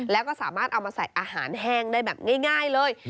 แล้วก็สามารถเอามาใส่อาหารแห้งได้แบบง่ายเลย